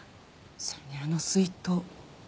それにあの水筒。